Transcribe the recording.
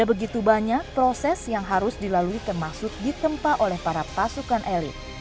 ada begitu banyak proses yang harus dilalui termasuk ditempa oleh para pasukan elit